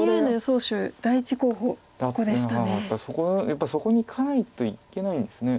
やっぱりそこにいかないといけないんですね。